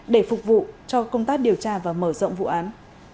để phục vụ cho công tác điều tra và mở rộng vụ án